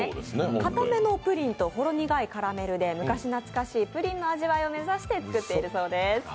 固めのプリンとほろ苦いカラメルで昔懐かしいプリンの味を目指して作っているそうです。